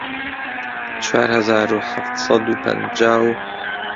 چوار هەزار و حەفت سەد و پەنجاو